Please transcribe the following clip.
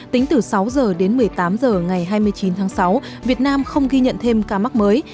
tính từ sáu h đến một mươi tám h ngày hai mươi chín tháng sáu việt nam không ghi nhận thêm ca mắc mới